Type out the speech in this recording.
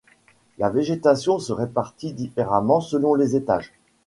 La végétation se répartit différemment selon les étages.